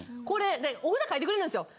御札書いてくれるんですよ。